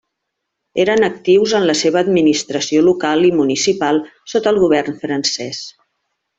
Eren actius en la seva administració local i municipal sota el govern francès.